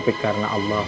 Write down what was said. bukan karena aku